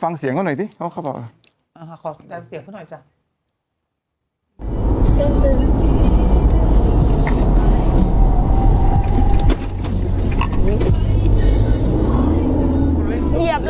เหยียบเลย